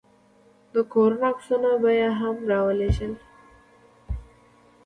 د کورونو عکسونه به يې هم ورولېږم.